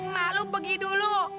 malu pergi dulu